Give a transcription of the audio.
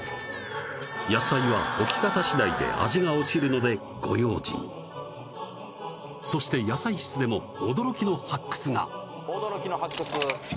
野菜は置き方しだいで味が落ちるのでご用心そして野菜室でも驚きの発掘が驚きの発掘？